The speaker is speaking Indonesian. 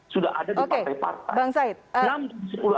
sudah ada di partai partai